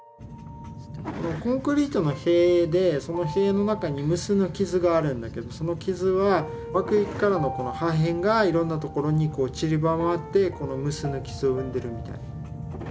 コンクリートの塀でその塀の中に無数の傷があるんだけどその傷は爆撃からの破片がいろんなところに散らばって無数の傷を生んでるみたいな。